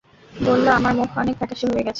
বলল, আমার মুখ অনেক ফ্যাকাশে হয়ে গেছে।